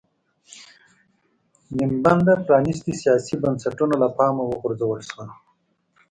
نیم بنده پرانېستي سیاسي بنسټونه له پامه وغورځول شول.